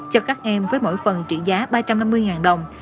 cho các em với mỗi phần trị giá ba trăm năm mươi đồng